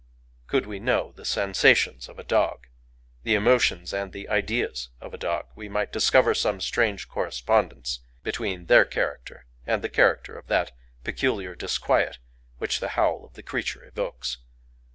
Could we know the sensations of a dog,—the emotions and the ideas of a dog, we might discover some strange correspondence between their character and the character of that peculiar disquiet which the howl of the creature evokes.